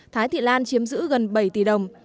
thái thị lan chiếm giữ gần bảy tỷ đồng